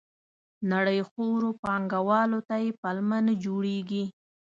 نړیخورو پانګوالو ته یې پلمه نه جوړېږي.